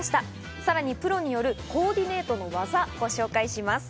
さらにプロによるコーディネートの技、ご紹介します。